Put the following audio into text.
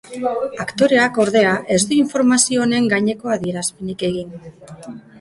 Aktoreak, ordea, ez du informazio honen gaineko adierazpenik egin.